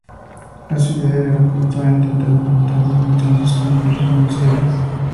La ciudad y el aeropuerto han intentado contar desde entonces con vuelos comerciales.